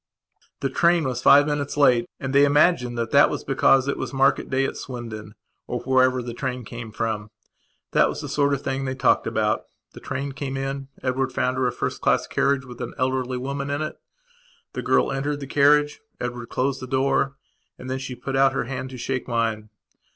The train was five minutes late and they imagined that that was because it was market day at Swindon or wherever the train came from. That was the sort of thing they talked about. The train came in; Edward found her a first class carriage with an elderly woman in it. The girl entered the carriage, Edward closed the door and then she put out her hand to shake mine.